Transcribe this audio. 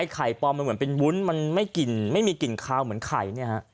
ไข่ปอมมันเหมือนเป็นวุ้นไม่มีกลิ่นคาวเหมือนไข่